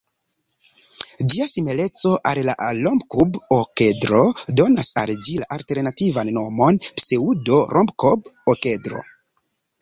Ĝia simileco al la rombokub-okedro donas al ĝi la alternativan nomon pseŭdo-rombokub-okedro.